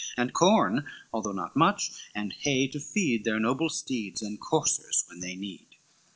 And corn, although not much, and hay to feed Their noble steeds and coursers when they need.